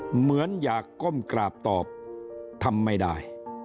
เหมือนอยากก้มกราบตอบทำไม่ได้